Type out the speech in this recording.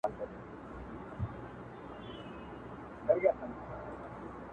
پر زود رنجۍ باندي مي داغ د دوزخونو وهم.